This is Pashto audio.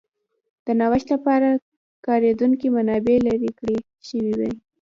د نوښت لپاره کارېدونکې منابع لرې کړل شوې وای.